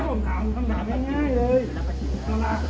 ปากกบ้าว